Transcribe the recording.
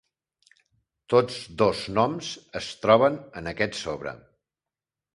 Tots dos noms es troben en aquest sobre.